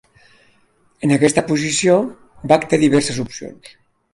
En aquesta posició, Black té diverses opcions.